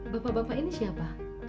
bapak bapak ini siapa